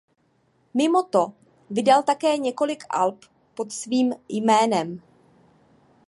Mimo to vydal také několik alb pod svým jménem.